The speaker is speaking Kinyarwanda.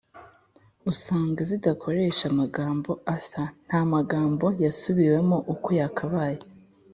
usanga zidakoresha amagambo asa [nta magambo yasubiwemo uko yakabaye]